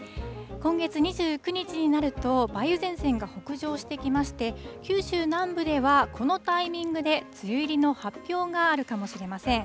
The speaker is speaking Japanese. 今月２９日になると、梅雨前線が北上してきまして、九州南部ではこのタイミングで、梅雨入りの発表があるかもしれません。